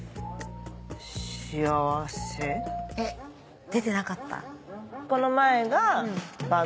幸せ？えっ出てなかった？